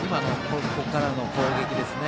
ここからの攻撃ですね。